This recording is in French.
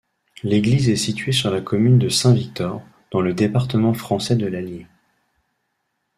L'église est située sur la commune de Saint-Victor, dans le département français de l'Allier.